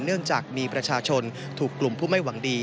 เนื่องจากมีประชาชนถูกกลุ่มผู้ไม่หวังดี